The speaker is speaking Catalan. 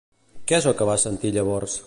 Què es va sentir llavors?